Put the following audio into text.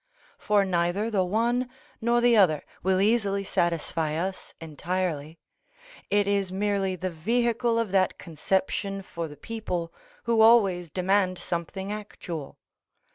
For neither the one nor the other will easily satisfy us entirely. It is merely the vehicle of that conception for the people, who always demand something actual.